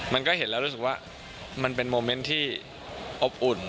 มันก็เห็นแล้วรู้สึกว่ามันเป็นโมเมนต์ที่อบอุ่น